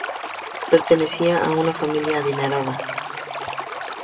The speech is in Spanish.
Pertenecía a una familia adinerada.